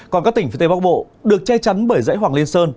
còn các tỉnh phía tây bắc bộ được che chắn bởi dãy hoàng liên sơn